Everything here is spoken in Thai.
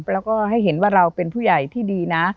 แล้วก็ให้เห็นว่าเราเป็นผู้ใหญ่ที่ดีนะ